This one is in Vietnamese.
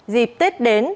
dịp tết đến